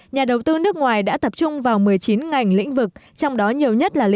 nhà đầu tư nước ngoài đã tập trung vào một mươi chín ngành lĩnh vực trong đó nhiều nhất là lĩnh vực